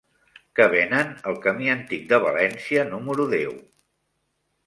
Què venen al camí Antic de València número deu?